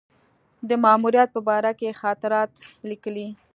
د ماموریت په باره کې یې خاطرات لیکلي.